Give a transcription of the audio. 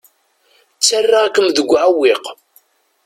Ttarraɣ-kem deg uɛewwiq.